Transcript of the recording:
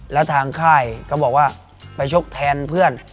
แล้วทางค่ายก็บอกว่าไปชกแทนเพื่อน